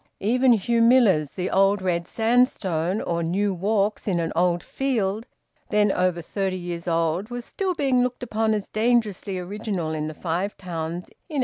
Even Hugh Miller's "The Old Red Sandstone, or New Walks in an Old Field," then over thirty years old, was still being looked upon as dangerously original in the Five Towns in 1873.